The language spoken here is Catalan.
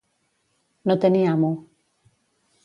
No tenir amo.